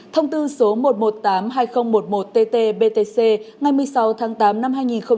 thông tư số một triệu một trăm tám mươi hai nghìn một mươi một tt btc ngày một mươi sáu tháng tám năm hai nghìn một mươi một